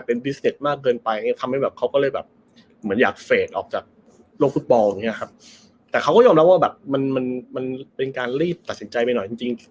ออกจากโลกฟุตบอลอย่างเงี้ยครับแต่เขาก็ยอมรับว่าแบบมันมันมันเป็นการรีบตัดสินใจไปหน่อยจริงจริง